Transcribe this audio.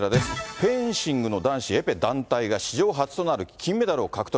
フェンシングの男子エペ団体が、史上初となる金メダルを獲得。